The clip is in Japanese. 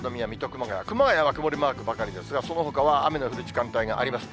熊谷は曇りマークばかりですが、そのほかは雨の降る時間帯があります。